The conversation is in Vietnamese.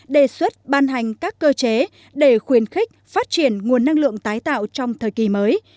đề xuất ban hành các cơ chế để khuyến khích phát triển nguồn năng lượng tái tạo trong thời kỳ mới